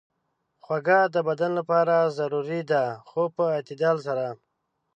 خوږه د بدن لپاره ضروري ده، خو په اعتدال سره.